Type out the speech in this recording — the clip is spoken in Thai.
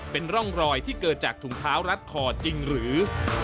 เป็นร่องรอยที่เกิดจากถุงเท้ารัดคอจริงหรือ